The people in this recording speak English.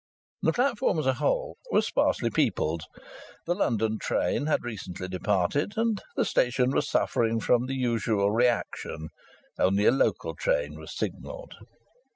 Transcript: The platform as a whole was sparsely peopled; the London train had recently departed, and the station was suffering from the usual reaction; only a local train was signalled.